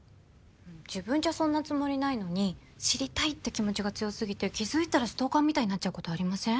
自分じゃそんなつもりないのに知りたいって気持ちが強すぎて気付いたらストーカーみたいになっちゃうことありません？